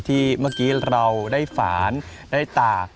เมื่อกี้เราได้ฝานได้ตา